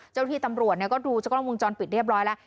เจ้าที่ตำรวจก็ดูจากกล้องวงจรปิดเรียบร้อยแล้ว